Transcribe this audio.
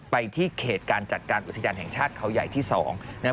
ไปที่เขตการจัดการอุทยานแห่งชาติเขาใหญ่ที่๒นะครับ